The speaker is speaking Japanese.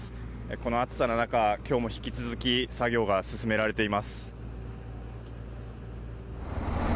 この暑さの中、今日も引き続き作業が進められています。